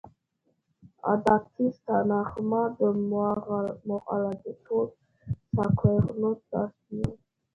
ადათის თანახმად, მოღალატე ცოლს საქვეყნოდ დასჯიან.